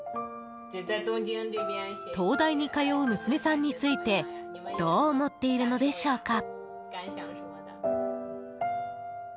東大に通う娘さんについてどう思っているのでしょうか？